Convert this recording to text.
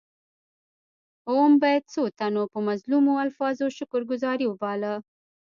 اووم بیت څو تنو په منظومو الفاظو شکر ګذاري وباله.